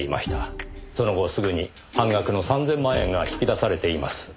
その後すぐに半額の３０００万円が引き出されています。